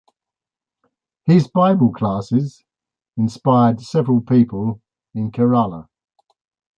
His Bible classes inspired several people in Kerala.